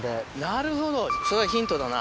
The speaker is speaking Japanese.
なるほどそれはヒントだな。